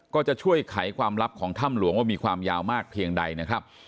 ก็จะช่วยไขความลับของถ้ำหลวงว่ามีความยาวมากเพียงใดนะครับ